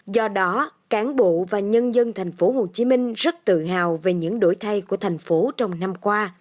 do đó cán bộ và nhân dân thành phố hồ chí minh rất tự hào về những đổi thay của thành phố trong năm qua